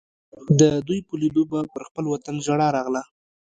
د دوی په لیدو به پر خپل وطن ژړا راغله.